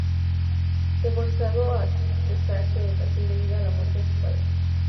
Se forzado a cesar su educación debido a la muerte de su padre.